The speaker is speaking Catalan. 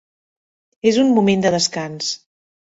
És un moment de descans.